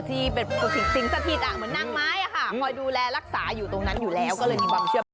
ที่เป็นสิงสถิตเหมือนนางไม้ค่ะคอยดูแลรักษาอยู่ตรงนั้นอยู่แล้ว